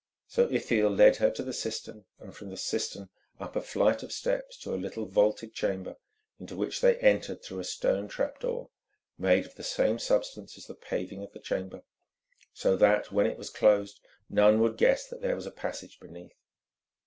So Ithiel led her to the cistern, and from the cistern up a flight of steps to a little vaulted chamber, into which they entered through a stone trap door, made of the same substance as the paving of the chamber, so that, when it was closed, none would guess that there was a passage beneath.